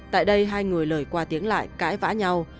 tại đây hai người lời qua tiếng lại cãi vã nhau